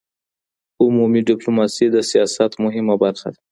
عمومي ډيپلوماسي د سياست مهمه برخه ده.